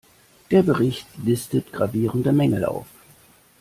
Der Bericht listet gravierende Mängel auf.